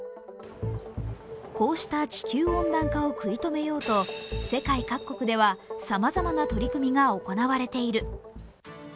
こうした地球温暖化を食い止めようと世界各国では、さまざまな取り組みが行われている。